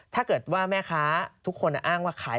ถ้าเกิดว่าแม่ค้าทุกคนอ้างว่าขาย